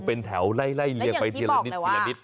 เป็นแถวไล่ไปอย่างที่บอกนะว่า